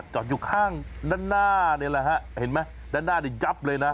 จอดอยู่ข้างด้านหน้านี่แหละฮะเห็นไหมด้านหน้านี่ยับเลยนะ